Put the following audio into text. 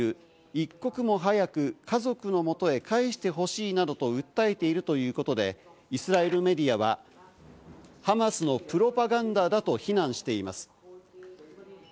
一刻も早く家族の元へ返してほしいなどと訴えているということで、イスラエルメディアはハマスのプロパガンダだと非難しています。